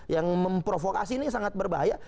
yang memprovokasi ini sangat berbahaya